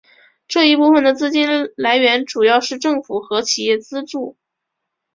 这一部分的资金来源主要是政府和企业资助。